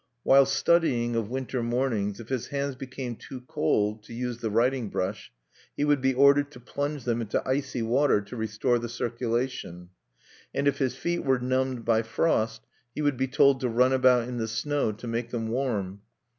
While studying of winter mornings, if his hands became too cold to use the writing brush, he would be ordered to plunge them into icy water to restore the circulation; and if his feet were numbed by frost, he would be told to run about in the snow to make them warm.